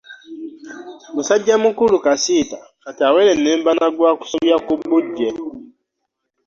Musajja mukulu Kasiita kati awerennemba na gwa kusobya ku bbujje.